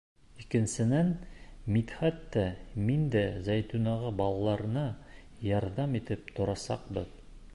Икенсенән, Мидхәт тә, мин дә Зәйтүнәгә, балаларына ярҙам итеп торасаҡбыҙ.